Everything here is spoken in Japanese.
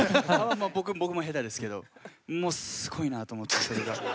僕も下手ですけどもうすごいなと思ってそれが。